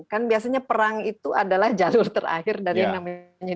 kan biasanya perang itu adalah jalur terakhir dari yang namanya